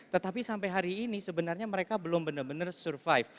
tetapi sampai hari ini sebenarnya mereka belum benar benar survive